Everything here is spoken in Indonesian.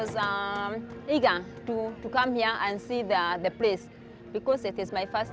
saya ingin datang ke sini dan melihat